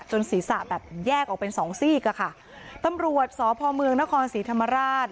ศีรษะแบบแยกออกเป็นสองซีกอะค่ะตำรวจสพเมืองนครศรีธรรมราช